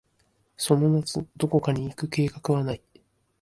その夏、どこかに行く計画はない。